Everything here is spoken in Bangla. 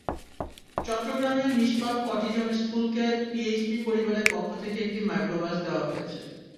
চট্টগ্রামের নিষ্পাপ অটিজম স্কুলকে পিএইচপি পরিবারের পক্ষ থেকে একটি মাইক্রোবাস দেওয়া হয়েছে।